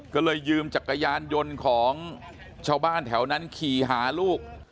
ก็เลยยืมจักรยานยนต์ของชาวบ้านแถวนั้นขี่หาลูก